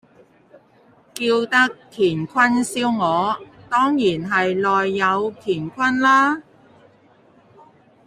叫得乾坤燒鵝，當然係內有乾坤啦